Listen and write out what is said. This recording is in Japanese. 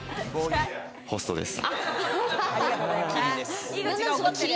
ホストです。